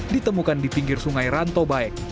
ditemukan di pinggir sungai ranto baek